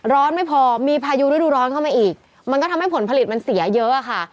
ไม่พอมีพายุฤดูร้อนเข้ามาอีกมันก็ทำให้ผลผลิตมันเสียเยอะค่ะ